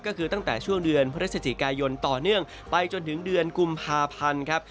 ก็คือตั้งแต่ช่วงเดือนพฤศจิกายนต่อเนื่องไปจนถึงเดือนกุมภาพันธ์ครับ